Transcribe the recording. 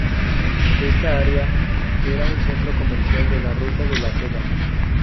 Esta área era un centro comercial de la Ruta de la Seda.